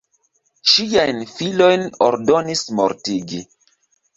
Ŝiajn filojn ordonis mortigi.